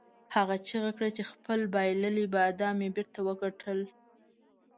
هغه چیغه کړه چې خپل بایللي بادام مې بیرته وګټل.